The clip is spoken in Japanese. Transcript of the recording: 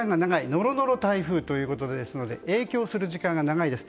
ノロノロ台風ということで影響する時間が長いです。